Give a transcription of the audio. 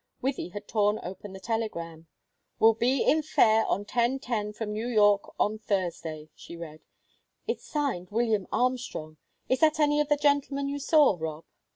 Wythie had torn open the telegram. "Will be in Fayre on ten ten from New York on Thursday," she read. "It's signed William Armstrong; is that any of the gentlemen you saw, Rob?"